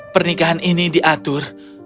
pernikahan ini diatur